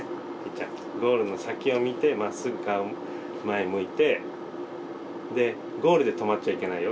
ちゃんゴールの先を見てまっすぐ顔前向いてでゴールで止まっちゃいけないよ。